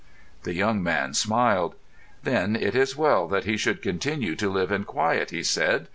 The young man smiled. "Then it is well that he should continue to live in quiet," he said.